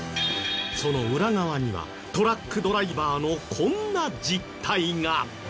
その裏側にはトラックドライバーのこんな実態が。